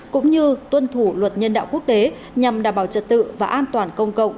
cũng như tuân thủ luật nhân đạo quốc tế nhằm đảm bảo trật tự và an toàn công cộng